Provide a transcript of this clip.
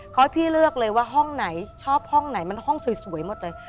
เขาให้พี่เลือกเลยว่าห้องไหนชอบห้องไหนมันห้องสวยหมดเลย